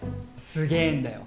すげえんだよ。